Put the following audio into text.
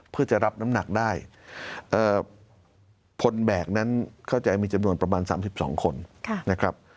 เพื่อจะรับน้ำหนักได้ผลแบบนั้นเขาจะมีจำนวนประมาณ๓๒คน